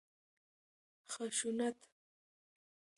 خشونت